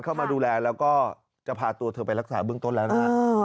เข้ามาดูแลแล้วก็จะพาตัวเธอไปรักษาเบื้องต้นแล้วนะ